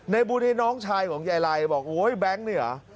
ในบุญนี้น้องชายของใยลัยบอกโอ้โฮแบงค์นี่เหรอ